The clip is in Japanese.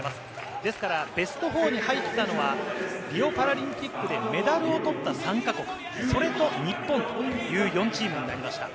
ですからベスト４に入ったのは、パラリンピックでメダルを取った３か国、それと日本という４チームになりました。